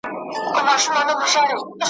ويل يې چپ سه بېخبره بې دركه ,